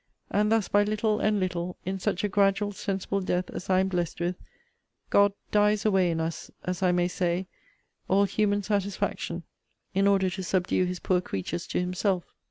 And thus by little and little, in such a gradual sensible death as I am blessed with, God dies away in us, as I may say, all human satisfaction, in order to subdue his poor creatures to himself.